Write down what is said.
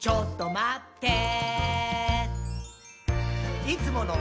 ちょっとまってぇー」